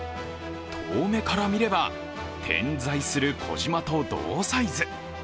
遠目から見れば、点在する小島と同サイズ。